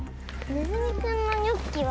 『ねずみくんのチョッキ』は。